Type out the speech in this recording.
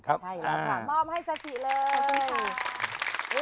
ใช่แล้วค่ะมอบให้สถิเลย